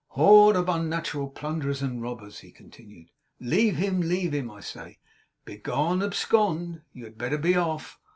'Horde of unnatural plunderers and robbers!' he continued; 'leave him! leave him, I say! Begone! Abscond! You had better be off!